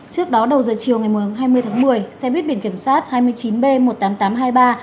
trước đó đầu giờ chiều ngày hai mươi tháng một mươi xe buýt biển kiểm soát hai mươi chín b một mươi tám nghìn tám trăm hai mươi ba